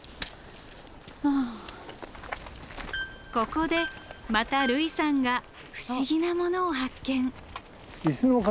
ここでまた類さんが不思議なものを発見。